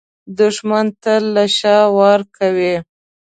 دښمن تل له شا وار کوي